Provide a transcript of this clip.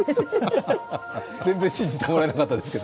全然信じてもらえなかったですけど。